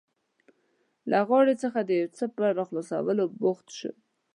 له غاړې څخه د یو څه په راخلاصولو بوخته شوه.